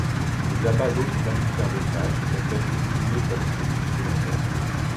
Les abats d'autres mammifères d'élevage peuvent être utilisés comme sources secondaires.